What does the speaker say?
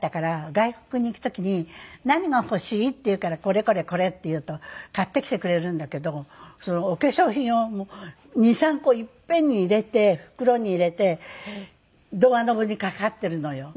外国に行く時に「何が欲しい？」って言うから「これこれこれ」って言うと買ってきてくれるんだけどお化粧品を２３個いっぺんに入れて袋に入れてドアノブにかかってるのよ。